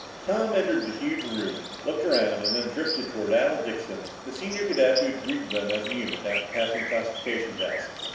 Tom entered the huge room, looked around and then drifted toward Al Dixon, the senior cadet who had greeted them as a unit after passing classification tests.